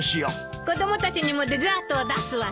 子供たちにもデザートを出すわね。